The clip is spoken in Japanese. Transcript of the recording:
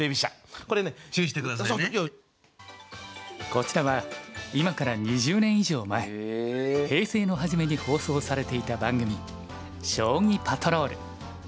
こちらは今から２０年以上前平成の初めに放送されていた番組「将棋パトロール」。